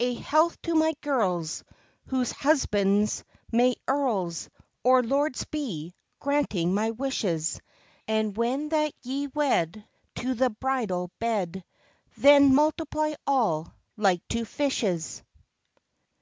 A health to my girls, Whose husbands may earls Or lords be, granting my wishes, And when that ye wed To the bridal bed, Then multiply all, like to fishes.